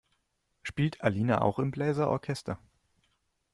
Spielt Alina auch im Bläser-Orchester?